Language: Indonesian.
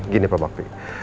gini pak bakti